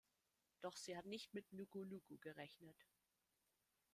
Doch sie hat nicht mit Nuku Nuku gerechnet.